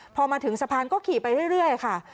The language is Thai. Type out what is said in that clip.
พอมาถึงสะพานก็ขี่ไปเรื่อยค่ะ